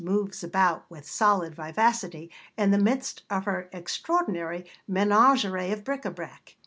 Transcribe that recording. moves about with solid vivacity in the midst of her extraordinary menagerie of bric à brac.